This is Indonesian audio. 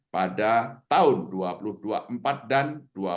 pada tahun dua ribu dua puluh empat dan dua ribu dua puluh